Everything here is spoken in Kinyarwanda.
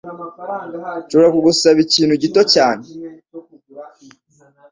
nshobora kugusaba ikintu gito cyane?